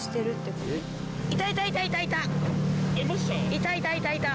いたいたいたいた。